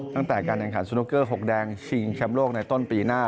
ตั้งแต่การแข่งขันสนุกเกอร์๖แดงชิงแชมป์โลกในต้นปีหน้า